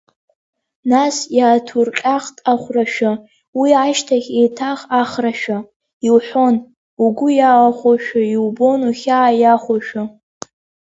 Нас иааҭурҟьахт ахәрашәа, уи ашьҭахь еиҭах ахрашәа, иуҳәон, угәы иаахәошәа, иубон ухьаа иахәошәа.